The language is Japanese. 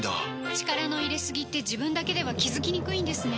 力の入れすぎって自分だけでは気付きにくいんですね